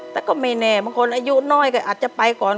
แต่ก็ไม่แน่บางคนอายุน้อยก็อาจจะไปก่อน